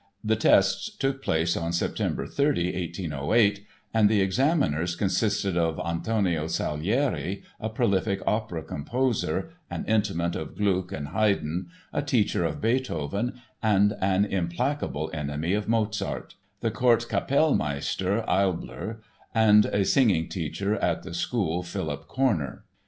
The tests took place on September 30, 1808, and the examiners consisted of Antonio Salieri, a prolific opera composer, an intimate of Gluck and Haydn, a teacher of Beethoven and an implacable enemy of Mozart; the Court Kapellmeister Eybler; and a singing teacher at the school, Philip Korner.